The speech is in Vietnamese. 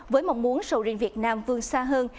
với mong muốn sầu riêng việt nam vương xa hơn